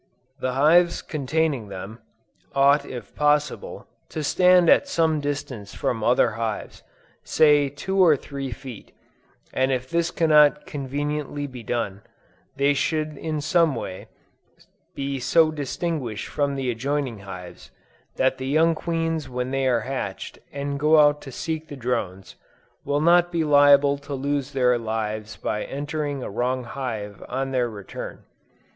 The hives containing them, ought if possible, to stand at some distance from other hives, say two or three feet: and if this cannot conveniently be done, they should in some way, be so distinguished from the adjoining hives, that the young queens when they are hatched and go out to seek the drones, will not be liable to lose their lives by entering a wrong hive on their return.